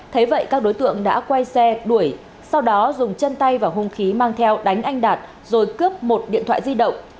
thế vậy các đối tượng đã quay xe đuổi sau đó dùng chân tay và hung khí mang theo đánh anh đạt rồi cướp một điện thoại di động